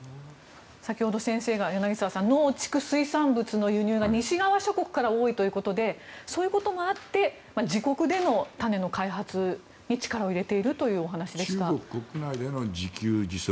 先ほど先生が農畜水産物の輸入が西側諸国から多いということでそういうこともあって自国での種の開発に力を入れているという中国国内での自給自足